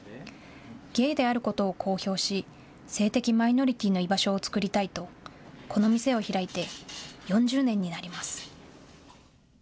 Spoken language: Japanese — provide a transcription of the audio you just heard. ゲイであることを公表し性的マイノリティーの居場所を作りたいとこの店を開いて４０年になります。